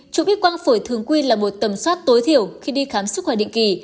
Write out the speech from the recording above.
chụp ít quang phổi thường quy là một tầm soát tối thiểu khi đi khám sức khỏe định kỳ